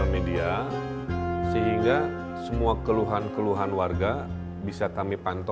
masukkan ke kota bandung